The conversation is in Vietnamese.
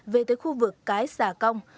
về tới khu vực cái xà công